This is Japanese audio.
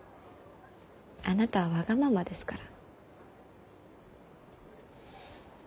あなたはわがままですから。